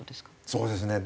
そうですね。